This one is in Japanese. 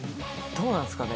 どうなんですかね。